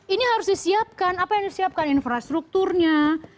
ini harus disiapkan apa yang disiapkan infrastrukturnya